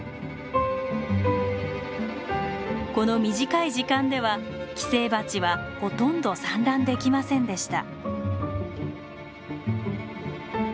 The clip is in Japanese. この短い時間では寄生バチはほとんど産卵できませんでした。